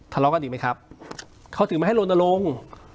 ทะเลาะกันอีกไหมครับเขาถึงไม่ให้ลนลง